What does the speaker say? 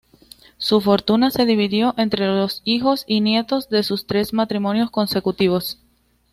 Su fortuna se dividió entre los hijos y nietos de sus tres matrimonios sucesivos.